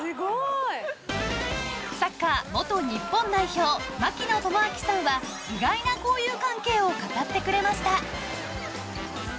サッカー元日本代表槙野智章さんは意外な交友関係を語ってくれました。